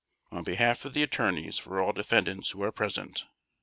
On behalf of the attorneys for all defendants who are present.